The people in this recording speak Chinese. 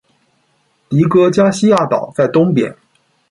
迪戈加西亚岛在东边。